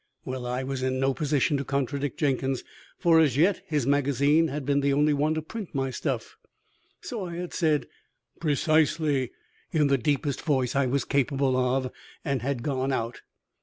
Well, I was in no position to contradict Jenkins, for, as yet, his magazine had been the only one to print my stuff. So I had said, "Precisely!" in the deepest voice I was capable of, and had gone out.